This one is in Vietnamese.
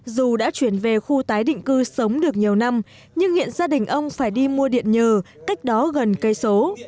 dù đã chuyển về khu tái định cư sống được nhiều năm nhưng hiện gia đình ông phải đi mua điện nhờ cách đó gần cây số